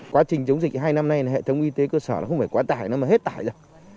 quá trình chống dịch hai năm nay là hệ thống y tế cơ sở không phải quá tải nó mà hết tải được